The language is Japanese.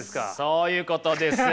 そういうことです。